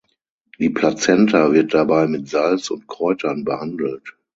Die Plazenta wird dabei mit Salz und Kräutern behandelt.